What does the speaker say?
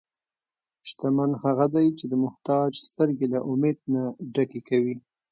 شتمن هغه دی چې د محتاج سترګې له امید نه ډکې کوي.